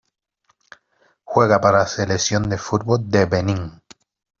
Juega para la selección de fútbol de Benín.